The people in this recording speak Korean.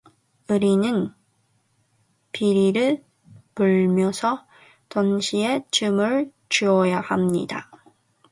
우리는 피리를 불면서 동시에 춤을 추어야 헙니다.